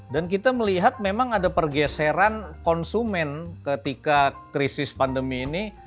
dan kita melihat memang ada pergeseran konsumen ketika krisis pandemi ini